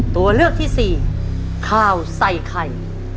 ตัวเลือกที่สี่ข่าวใส่ไข่